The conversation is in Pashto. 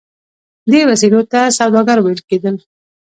دې وسیلو ته سوداګر ویل کیدل.